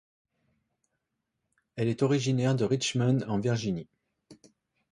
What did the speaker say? Elle est originaire de Richmond, en Virginie.